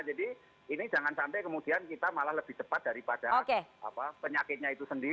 jadi ini jangan sampai kemudian kita malah lebih cepat daripada penyakitnya itu sendiri